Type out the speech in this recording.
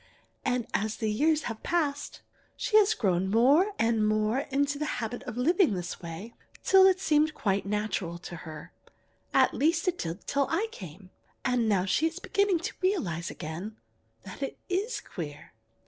And as the years have passed she has grown more and more into the habit of living this way till it seemed quite natural to her at least it did till I came; and now she is beginning to realize again that it is queer.